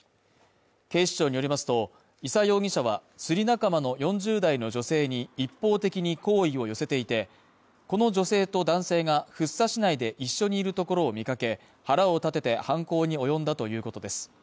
警視庁によりますと、伊佐容疑者は、釣り仲間の４０代の女性に一方的に好意を寄せていて、この女性と男性が、福生市内で一緒にいるところを見かけ、腹を立てて犯行に及んだということです。